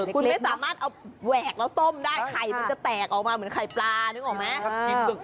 คุณไม่สามารถเอาแหวกแล้วต้มได้ไข่มันจะแตกออกมาเหมือนไข่ปลานึกออกไหม